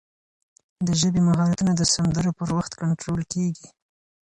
د ژبې مهارتونه د سندرو په وخت کنټرول کېږي.